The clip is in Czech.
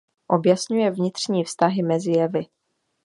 Objasňuje vnitřní vztahy mezi jevy.